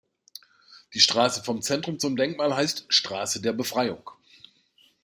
Die Straße vom Zentrum zum Denkmal heißt 'Straße der Befreiung'.